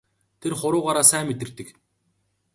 Тэр хуруугаараа сайн мэдэрдэг.